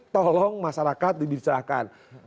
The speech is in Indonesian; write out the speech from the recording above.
tolong masyarakat dibicarakan